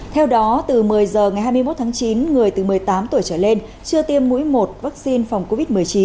theo đó từ một mươi h ngày hai mươi một tháng chín người từ một mươi tám tuổi trở lên chưa tiêm mũi một vaccine phòng covid một mươi chín